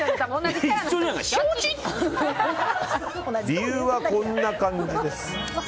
理由はこんな感じです。